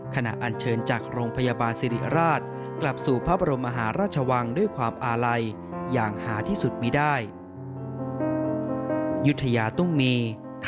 อันเชิญจากโรงพยาบาลสิริราชกลับสู่พระบรมมหาราชวังด้วยความอาลัยอย่างหาที่สุดมีได้